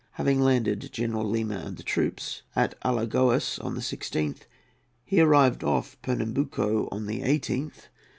Having landed General Lima and the troops at Alagoas on the 16th, he arrived off Pernambuco on the 18th.